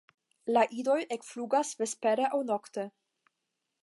La idoj ekflugas vespere aŭ nokte.